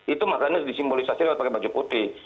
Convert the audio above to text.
itu makanya disimbolisasi lewat pakai baju putih